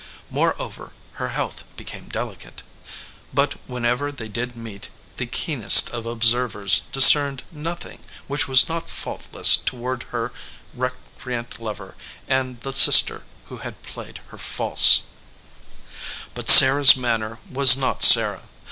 More over, her health became delicate. But whenever they did meet, the keenest of observers discerned nothing which was not faultless toward her recre ant lover and the sister who had played her false. ii EDGEWATER PEOPLE But Sarah s manner was not Sarah.